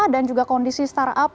dan juga kondisi start up